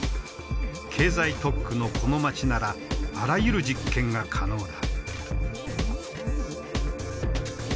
経済特区のこの街ならあらゆる実験が可能だ。